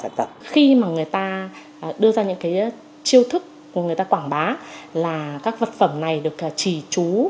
đưa ra những cái chiêu thức của người ta quảng bá là các vật phẩm này được trì trú